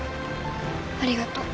ありがとう。